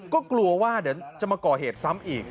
ก็กลัวว่าเดี๋ยวจะมาก่อเหตุซ้ำอีก